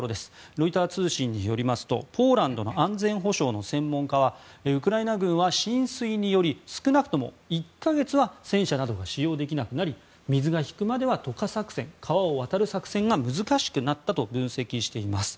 ロイター通信によりますとポーランドの安全保障の専門家はウクライナ軍は浸水により少なくとも１か月は戦車などが使用できなくなり水が引くまでは渡河作戦川を渡る作戦が難しくなったと分析しています。